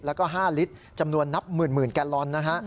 แล้วก็๕ลิตรจำนวนนับหมื่นแกลลอนนะฮะ